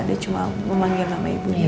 dia cuma memanggil nama ibunya